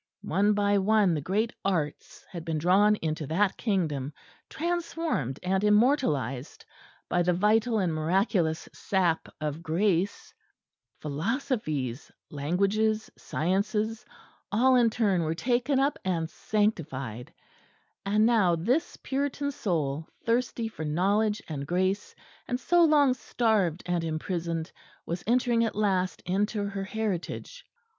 One by one the great arts had been drawn into that Kingdom, transformed and immortalised by the vital and miraculous sap of grace; philosophies, languages, sciences, all in turn were taken up and sanctified; and now this Puritan soul, thirsty for knowledge and grace, and so long starved and imprisoned, was entering at last into her heritage.